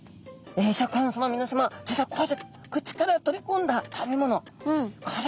シャーク香音さまみなさま実はこうやって口から取りこんだ食べ物これがですね